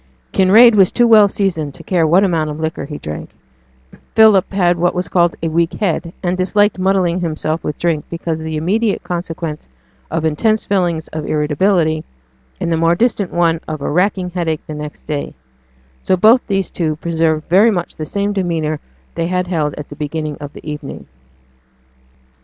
Kinraid was too well seasoned to care what amount of liquor he drank; Philip had what was called a weak head, and disliked muddling himself with drink because of the immediate consequence of intense feelings of irritability, and the more distant one of a racking headache next day; so both these two preserved very much the same demeanour they had held at the beginning of the evening.